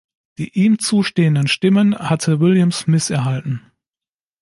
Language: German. Die ihm zustehenden Stimmen hatte William Smith erhalten.